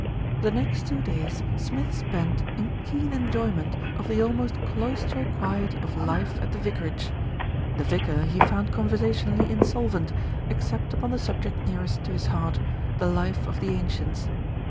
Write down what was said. The next two days Smith spent in keen enjoyment of the almost cloistral quiet of life at the vicarage. The vicar he found conversationally insolvent, ex cept upon the subject nearest to his heart the life of the Ancients.